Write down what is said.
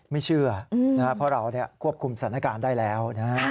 ไม่เชื่อเพราะเราควบคุมสถานการณ์ได้แล้วนะฮะ